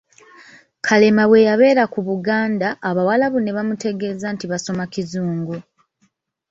Kalema bwe yabeera ku Buganda, Abawarabu ne bamutegeezanga nti basoma kizungu.